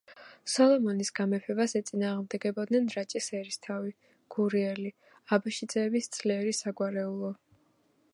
სოლომონის გამეფებას ეწინააღმდეგებოდნენ რაჭის ერისთავი, გურიელი, აბაშიძეების ძლიერი საგვარეულო.